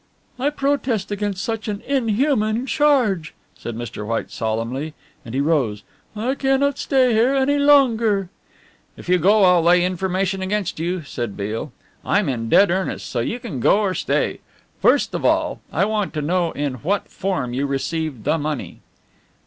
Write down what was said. "I protest against such an inhuman charge," said Mr. White solemnly, and he rose. "I cannot stay here any longer " "If you go I'll lay information against you," said Beale. "I'm in dead earnest, so you can go or stay. First of all, I want to know in what form you received the money?"